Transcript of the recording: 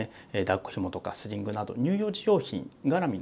だっこひもとかスリングなど乳幼児用品がらみのですね